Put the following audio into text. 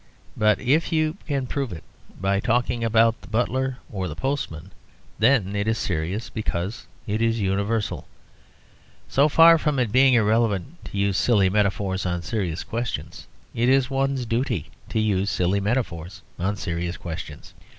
But if you can prove it by talking about the butler or the postman, then it is serious, because it is universal. So far from it being irreverent to use silly metaphors on serious questions, it is one's duty to use silly metaphors on serious questions.